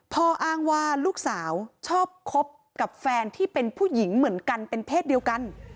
พ่ออ้างว่าลูกสาวชอบคบกับแฟนที่เป็นผู้หญิงเหมือนกันเป็นเพศเดียวกัน